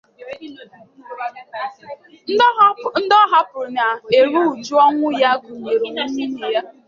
Ndị ọ hapụrụ na-eru uju ọnwụ ya gụnyere: nwunye ya